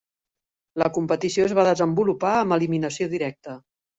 La competició es va desenvolupar amb eliminació directa.